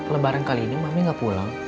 lebaran kali ini mami gak pulang